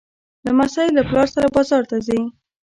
لمسی له پلار سره بازار ته ځي.